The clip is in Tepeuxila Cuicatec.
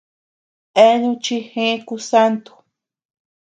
Eanu chi jëe kusanto.